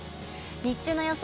日中の予想